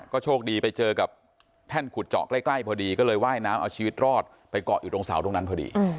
โชคดีไปเจอกับแท่นขุดเจาะใกล้พอดีก็เลยว่ายน้ำเอาชีวิตรอดไปเกาะอยู่ตรงเสาตรงนั้นพอดี